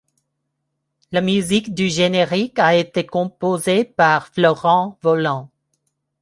La musique du générique a été composée par Florent Vollant.